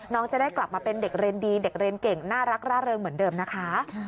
จะได้กลับมาเป็นเด็กเรียนดีเด็กเรียนเก่งน่ารักร่าเริงเหมือนเดิมนะคะ